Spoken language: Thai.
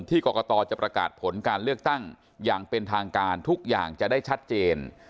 กรกตจะประกาศผลการเลือกตั้งอย่างเป็นทางการทุกอย่างจะได้ชัดเจน